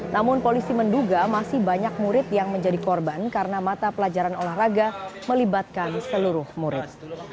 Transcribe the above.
namun polisi menduga masih banyak murid yang menjadi korban karena mata pelajaran olahraga melibatkan seluruh murid